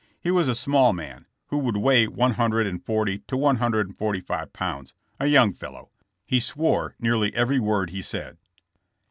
He was a small man, who would weigh one hundred and forty or one hundred and forty five pounds, a young fellow. He swore nearly every word he said.